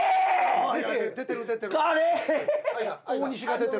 出てる出てる。